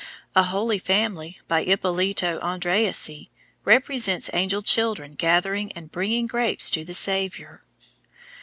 A Holy Family, by Ippolito Andreasi, represents angel children gathering and bringing grapes to the Saviour.